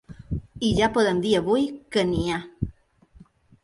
I ja podem dir avui que n’hi ha.